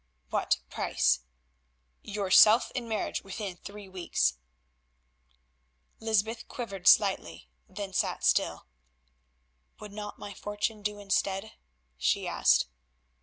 "What price?" "Yourself in marriage within three weeks." Lysbeth quivered slightly, then sat still. "Would not my fortune do instead?" she asked.